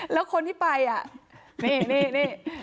แล้วคนที่ไปอ่ะนี่นี่นี่